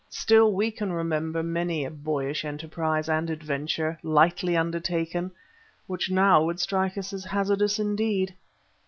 Still we can remember many a boyish enterprise and adventure, lightly undertaken, which now would strike us as hazardous indeed.